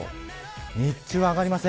日中は上がりません。